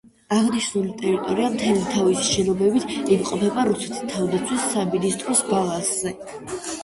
აღნიშნული ტერიტორია მთელი თავისი შენობებით იმყოფება რუსეთის თავდაცვის სამინისტროს ბალანსზე.